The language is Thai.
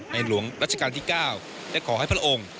หลวงรัชกาลที่๙ได้ขอให้พระองค์